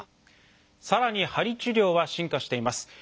さらに鍼治療は進化しています。